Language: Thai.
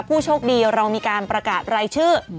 ผู้โชคดีเรามีการประกาศรายชื่อ